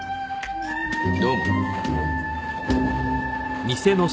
どうも。